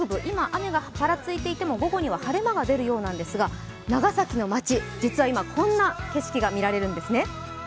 今、雨がぱらついていても午後には晴れ間が出るようなんですが長崎の街、実は今、こんな景色が見られるんですね。